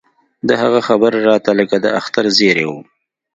د هغه خبره راته لکه د اختر زېرى و.